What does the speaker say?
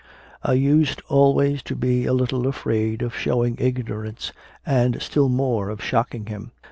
I used always to be a little afraid of showing igno rance, and still more of shocking him.